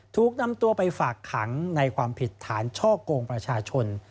ถูกนำตัวไปฝากขังในความผิดฐานช่อกงประชาชน